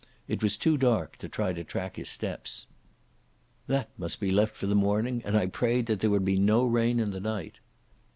It was too dark to try to track his steps. That must be left for the morning, and I prayed that there would be no rain in the night.